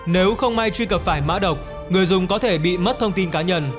nếu không may truy cập phải mã độc người dùng có thể bị mất thông tin cá nhân